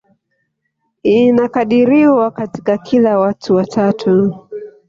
Inakadiriwa katika kila watu watatu